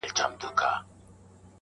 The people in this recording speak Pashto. • چي دي کرلي درته رسیږي -